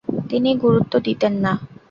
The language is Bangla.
তিনি গুরুত্ব দিতেন না।